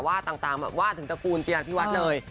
ว่าต่างว่าถึงตระกูลจีนักพิวัฒน์เนย